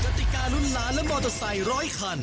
จัตริการุ่นล้านและมอเตอร์ไซค์๑๐๐คัน